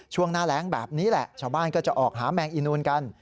ช่วงหน้าแรงแบบนี้แหละชาวบ้านก็จะออกหาแมงอีนูนกัน